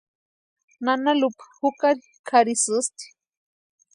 Nana Lupa jukari kʼarhisïsti.